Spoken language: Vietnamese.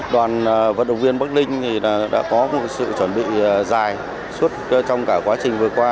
đoàn vận động viên bắc linh đã có một sự chuẩn bị dài suốt trong cả quá trình vừa qua